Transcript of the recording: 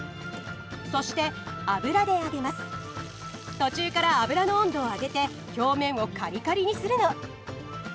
途中から油の温度を上げて表面をカリカリにするの。